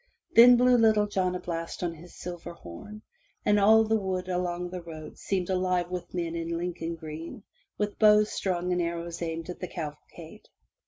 Then blew Little John a blast on his silver horn, and all the wood along the road seemed alive with men in Lincoln green, with bows strung and arrows aimed at the cavalcade.